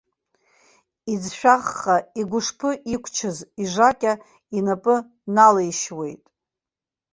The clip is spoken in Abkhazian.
Иӡшәахха игәышԥы иқәчыз ижакьа инапы налишьуеит.